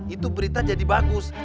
itu berita jadi bagus